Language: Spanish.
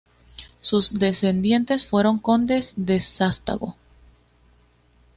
Sus descendientes fueron condes de Sástago.